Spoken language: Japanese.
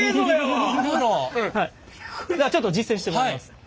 じゃあちょっと実践してもらいますね。